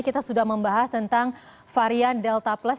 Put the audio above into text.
kita sudah membahas tentang varian delta plus